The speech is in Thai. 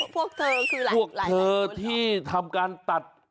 พวกเธอที่ที่ทำการตัด